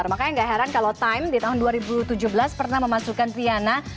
maka tidak heran kalau time di tahun dua ribu tujuh belas pernah memasukkan rihanna